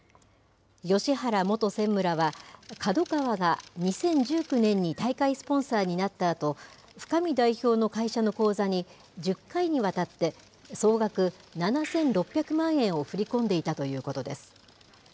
芳原元専務らは、ＫＡＤＯＫＡＷＡが２０１９年に大会スポンサーになったあと、深見代表の会社の口座に１０回にわたって、総額７６００万円を振り込んでいたということです。